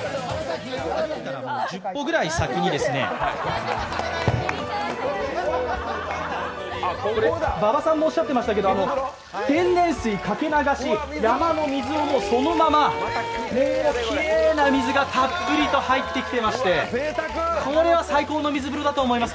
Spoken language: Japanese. １０歩ぐらい先に、馬場さんもおっしゃっていましたけど天然水かけ流し、山の水をそのまま、きれいな水がたっぷりと入ってきていましてこれは最高の水風呂だと思います。